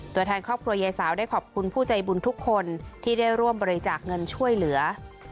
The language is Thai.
ตัวแทนครอบครัวยายสาวได้ขอบคุณผู้ใจบุญทุกคนที่ได้ร่วมบริจาคเงินช่วยเหลือ